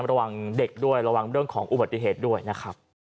ระวังเด็กด้วยระวังเรื่องของอุบัติเหตุด้วยนะครับ